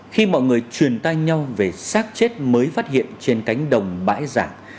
khi mọi người truyền tay nhau về sát chết mới phát hiện trên cánh đồng bãi rộng